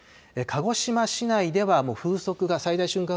鹿児島市内では風速が最大瞬間